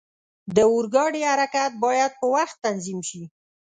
د اورګاډي حرکت باید په وخت تنظیم شي.